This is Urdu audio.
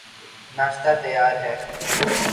ناشتہ تیار ہے